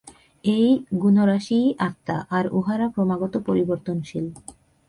এই গুণরাশিই আত্মা, আর উহারা ক্রমাগত পরিবর্তনশীল।